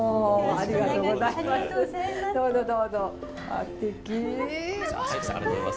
ありがとうございます。